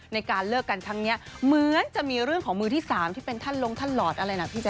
ในการเลิกกันครั้งนี้เหมือนจะมีเรื่องของมือที่๓ที่เป็นท่านลงท่านหลอดอะไรนะพี่แจ